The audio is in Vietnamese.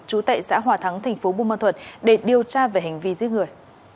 chú tệ xã hòa thắng tp bùi mân thuận để điều tra về hành vi giết người